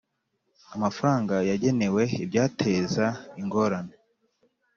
amafaranga yagenewe ibyateza ingorane